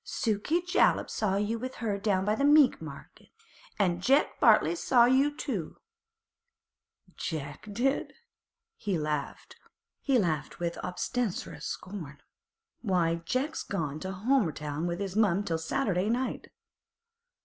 'Sukey Jollop saw you with her down by the meat market, an' Jeck Bartley saw you too.' 'Jeck did?' He laughed with obstreperous scorn. 'Why, Jeck's gone to Homerton to his mother till Saturday night.